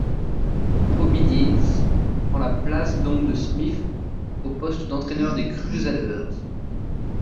Robbie Deans prend la place donc de Smith au poste d'entraîneur des Crusaders.